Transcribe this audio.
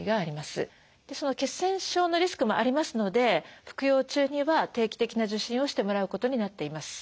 血栓症のリスクもありますので服用中には定期的な受診をしてもらうことになっています。